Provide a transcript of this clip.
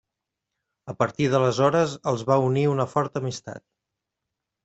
A partir d'aleshores els va unir una forta amistat.